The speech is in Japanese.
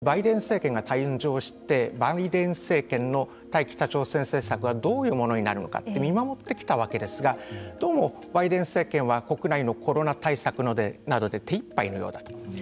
そのあと昨年特にバイデン政権が誕生してバイデン政権の対北朝鮮政策がどういうものになるのかって見守ってきたわけですがどうもバイデン政権は国内のコロナ対策などで手いっぱいのようだと。